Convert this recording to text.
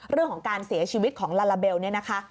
เรื่องของการเสียชีวิตของลาลาเบลเนี่ยนะคะ